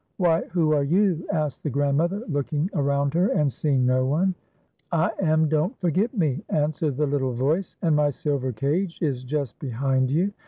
"Why, who are you.''" asked the grandmother, look ing around her and seeing no one. iSS FAIRIE AND BROWNIE. " I am Don't Forget Me," answered the little voice, "and my silver cage is just behind you.